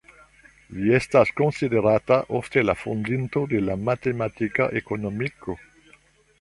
Li estas konsiderata ofte la fondinto de la matematika ekonomiko.